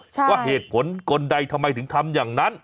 ว่าเหตุผลกลใดทำไมถึงทำอย่างนั้น